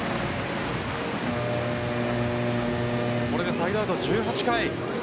これでサイドアウトは１８回。